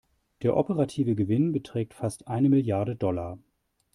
Der operative Gewinn beträgt fast eine Milliarde Dollar.